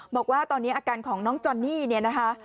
บอกว่าตอนนี้อาการของน้องจอนนี่เนี่ยนะคะ